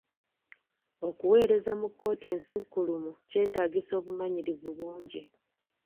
Okuweereza mu kkooti ensukkulumu kyetaagisa obumanyirivu bungi.